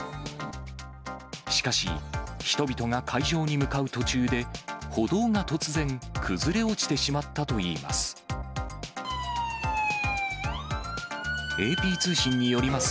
しかし、人々が会場に向かう途中で歩道が突然、崩れ落ちてしまったといいます。